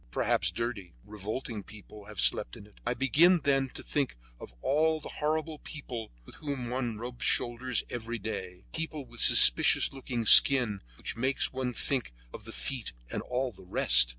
Perhaps dirty, revolting people have slept in it. I begin, then, to think of all the horrible people with whom one rubs shoulders every day, people with suspicious looking skin which makes one think of the feet and all the rest!